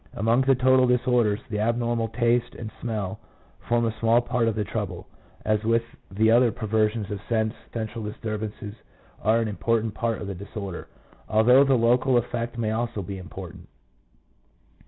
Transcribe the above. Among the total disorders the abnormal taste and smell form a small part of the trouble. As with the other perversions of sense, the central disturbances are an important part of the disorder, although the local effect may also be important.